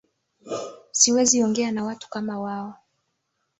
Siwezi ongea na watu kama wao